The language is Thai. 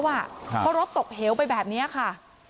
เพราะรถตกเหวไปแบบนี้ค่ะ